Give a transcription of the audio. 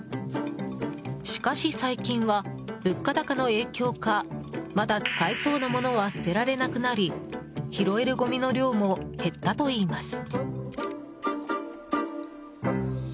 しかし最近は、物価高の影響かまだ使えそうなものは捨てられなくなり拾えるゴミの量も減ったといいます。